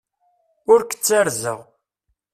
Ur k-ttarzeɣ.